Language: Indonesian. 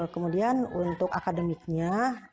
kemudian untuk akademiknya